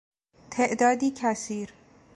تعدادی کثیر